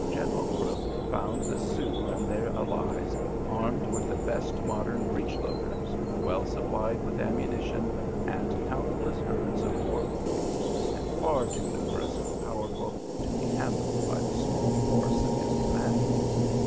General Crook found the Sioux and their allies armed with the best modern breech loaders, well supplied with ammunition and countless herds of war ponies, and far too numerous and powerful to be handled by the small force at his command.